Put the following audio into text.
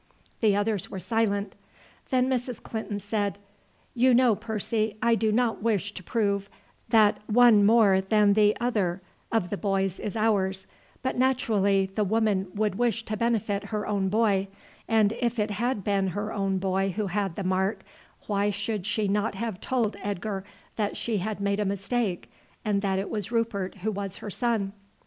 The others were silent. Then Mrs. Clinton said, "You know, Percy, I do not wish to prove that one more than the other of the boys is ours; but naturally the woman would wish to benefit her own boy, and if it had been her own boy who had the mark, why should she not have told Edgar that she had made a mistake, and that it was Rupert who was her son?"